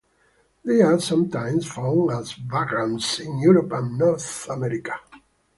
They are sometimes found as vagrants in Europe and North America.